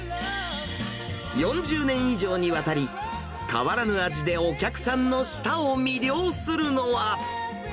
４０年以上にわたり、変わらぬ味でお客さんの舌を魅了するのは。